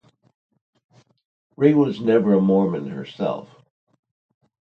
Wray was never a Mormon herself.